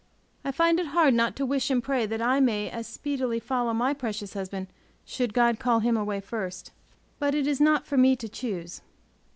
I find it hard not to wish and pray that I may as speedily follow my precious husband, should God call him away first. But it is not for me to choose.